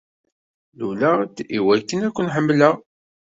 Luleɣ-d i wakken ad ken-ḥemmleɣ.